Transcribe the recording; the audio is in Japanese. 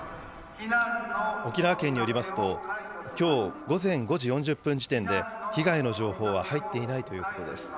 沖縄県によりますと、きょう午前５時４０分時点で被害の情報は入っていないということです。